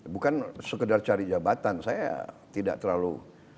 bukan sekedar cari jabatan saya tidak terlalu